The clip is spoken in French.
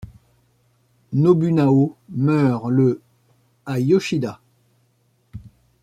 Nobunao meurt le à Yoshida.